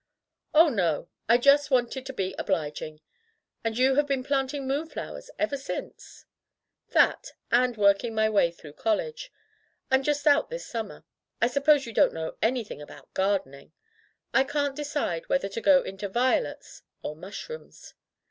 "Oh, no! I just wanted to be obliging. And you have been planting moonflowers ever since ?" "That — ^and working my way through college. I'm just out this summer. I suppose you don't know anything about gardening ? I can't decide whether to go into violets or mushrooms.